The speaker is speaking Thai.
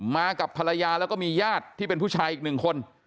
มากับภรรยาแล้วก็มีญาติที่เป็นผู้ชายอีกหนึ่งคน